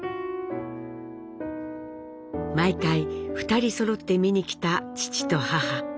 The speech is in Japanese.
毎回２人そろって見に来た父と母。